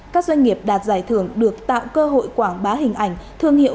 các doanh nghiệp đạt giải thưởng được tạo cơ hội quảng bá hình ảnh thương hiệu